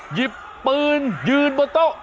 หยิบปืนยืนบนโต๊ะ